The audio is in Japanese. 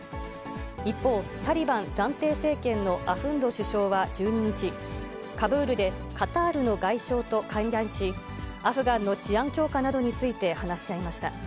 一方、タリバン暫定政権のアフンド首相は１２日、カブールでカタールの外相と会談し、アフガンの治安強化などについて話し合いました。